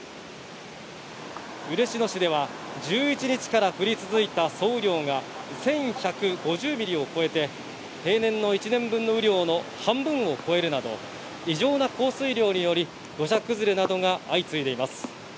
嬉野市では１１日から降り続いた総雨量が１１５０ミリを超えて、平年の１年分の雨量の半分を超えるなど、異常な降水量により、土砂崩れなどが相次いでいます。